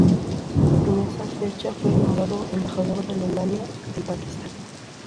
En esa fecha fue nombrado Embajador de Alemania en Pakistán.